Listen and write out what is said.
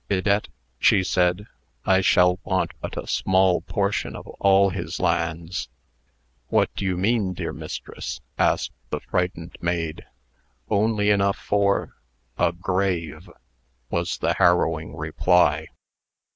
"Bidette," she said, "I shall want but a small portion of all his lands." "What do you mean, dear mistress?" asked the frightened maid. "Only enough for a grave," was the harrowing reply.